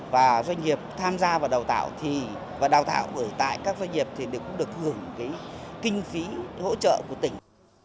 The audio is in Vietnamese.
và doanh nghiệp tham gia vào đào tạo thì và đào tạo ở tại các doanh nghiệp thì đều cũng được hưởng cái kinh phí hỗ trợ của tỉnh